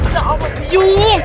tidak aku bingung